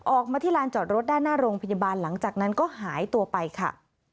ออกมาที่ลานจอดรถด้านหน้าโรงพยาบาลหลังจากนั้นก็หายตัวไปค่ะ